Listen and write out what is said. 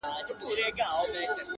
زه وايم راسه شعر به وليكو~